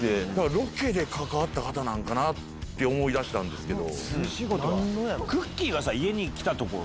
ロケで関わった方なんかなって思いだしたんですけど。